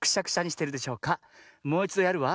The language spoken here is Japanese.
もういちどやるわ。